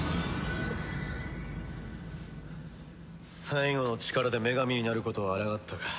最後の力で女神になることをあらがったか。